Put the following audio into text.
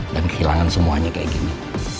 dan kehilangan semuanya kayak gini